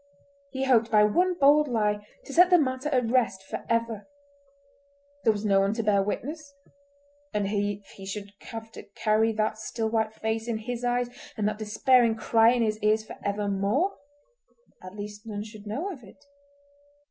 He hoped by one bold lie to set the matter at rest for ever. There was no one to bear witness—and if he should have to carry that still white face in his eyes and that despairing cry in his ears for evermore—at least none should know of it.